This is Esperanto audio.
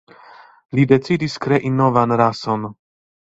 Li decidis krei novan rason.